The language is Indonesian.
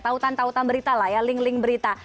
tautan tautan berita lah ya link link berita